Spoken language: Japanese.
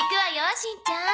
しんちゃん。